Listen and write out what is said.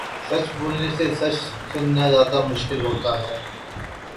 سچ بولنے سے سچ سنا زیادہ مشکل ہوتا ہے